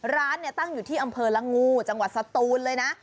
ร้านเนี่ยตั้งอยู่ที่อำเภอละงูจังหวัดสตูนเลยนะ